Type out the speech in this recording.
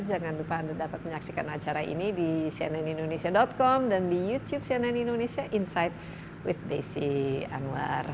jangan lupa anda dapat menyaksikan acara ini di cnnindonesia com dan di youtube cnn indonesia insight with desi anwar